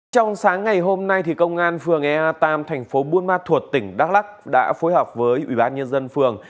trong sáng ngày hôm nay công an phường ea ba tp buôn ma thuột tỉnh đắk lắc đã phối hợp với ủy ban nhân dân phường